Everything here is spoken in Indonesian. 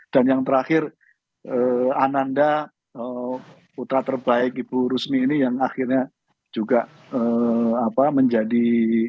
dan yang terakhir ananda putra terbaik ibu rusmini ini yang akhirnya juga menjadi